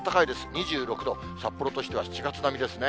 ２６度、札幌としては７月並みですね。